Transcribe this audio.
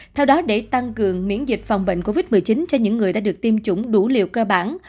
theo đó để tăng cường miễn dịch phòng bệnh covid một mươi chín cho những người đã được tiêm chủng đủ liều cơ bản